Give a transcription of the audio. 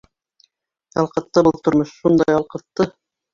Ялҡытты был тормош, шундай ялҡытты!